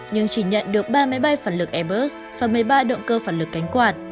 nhưng chỉ nhận được ba máy bay phản lực airbus và một mươi ba động cơ phản lực cánh quạt